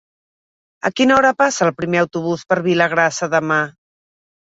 A quina hora passa el primer autobús per Vilagrassa demà?